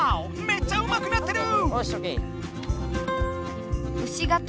めっちゃうまくなってる！